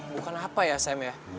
bukan apa ya sam ya